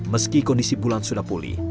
meski kondisi bulan sudah pulih